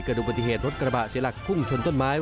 ดูปฏิเหตุรถกระบะเสียหลักพุ่งชนต้นไม้